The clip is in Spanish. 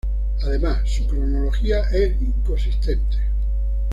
Además, su cronología es inconsistente.